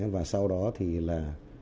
và sau đó thì là